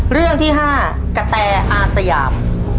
เรื่องที่๕กะแตอาสยาม